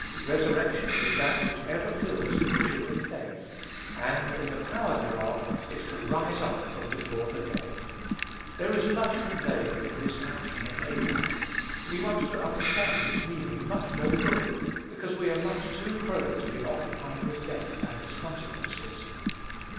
Resurrection is that which ever fills the vision of faith; and, in the power thereof, it can rise up from before the dead. There is much conveyed in this action of Abraham. We want to understand its meaning much more fully, because we are much too prone to be occupied with death and its consequences.